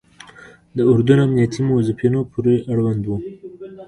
د اردن امنیتي موظفینو پورې اړوند وو.